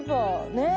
ねえ。